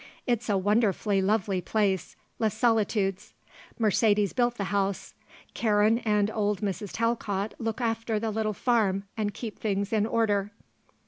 "It's a wonderfully lovely place; Les Solitudes; Mercedes built the house. Karen and old Mrs. Talcott look after the little farm and keep things in order."